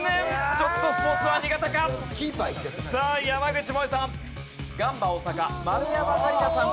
さあ山口もえさん。